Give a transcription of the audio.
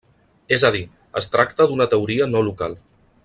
És a dir, es tracta d'una teoria no local.